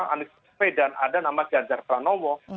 anies medan ada nama ganjar pranowo